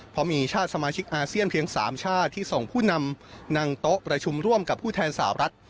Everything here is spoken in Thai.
เพราะมีชาติสมาชิกอาเซียนเพียง๓ชาติที่ส่งผู้นำนั่งโต๊ะประชุมร่วมกับผู้แทนสาวรัฐ